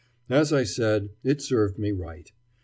As I said, it served me right.